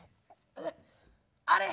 あれ？